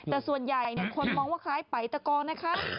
แต่ส่วนใหญ่เนี่ยคนมองว่าคล้ายปลายตะกองนะคะ